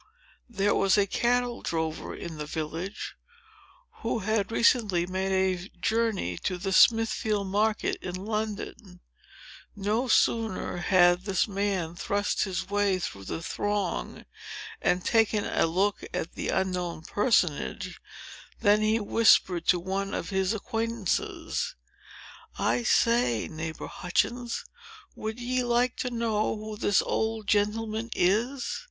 There was a cattle drover in the village, who had recently made a journey to the Smithfield market, in London. No sooner had this man thrust his way through the throng, and taken a look at the unknown personage, than he whispered to one of his acquaintances: "I say, neighbor Hutchins, would ye like to know who this old gentleman is?"